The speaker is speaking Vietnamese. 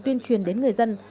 tuyên truyền đến người dân